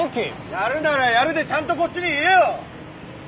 やるならやるでちゃんとこっちに言えよ！